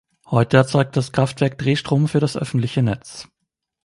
Heute erzeugt das Kraftwerk Drehstrom für das öffentliche Netz.